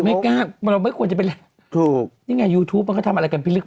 ไม่กล้าเราไม่ควรจะเป็นอะไรถูกนี่ไงยูทูปมันก็ทำอะไรกันพิลึก